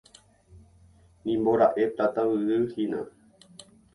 Nimbora'e Pláta Yvyguy hína.